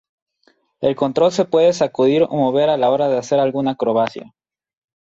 El control se puede sacudir o mover a la hora de hacer alguna acrobacia.